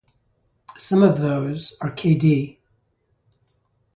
Some of those are k.d.